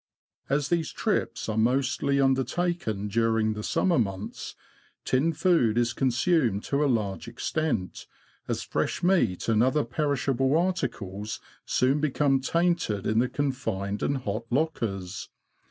As these trips are mostly undertaken during the summer months, tinned food is consumed to a large extent, as fresh meat and other perishable articles soon become tainted in the confined and hot lockers.